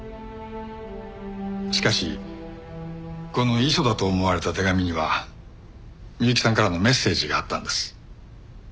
しかしこの遺書だと思われた手紙には美雪さんからのメッセージがあったんです。